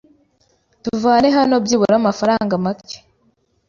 Tuvane hano byibura amafaranga make.